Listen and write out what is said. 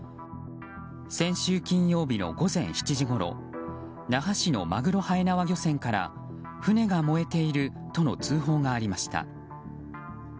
先週金曜日の午前７時ごろ那覇市のマグロはえ縄漁船から船が燃えているとの通報がありました。